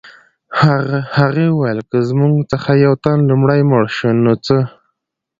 هغې وویل که زموږ څخه یو تن لومړی مړ شو نو څه